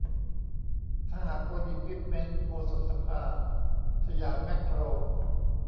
สหกลอิควิปเมนท์ โอสถสภา สยามแม็คโคร